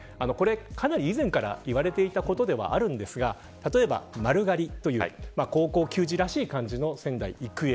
かなり以前から言われていたことではあるんですが例えば、丸刈りという高校球児らしい感じの仙台育英。